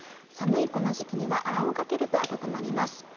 寒いこの時期にはあんをかけると温まります。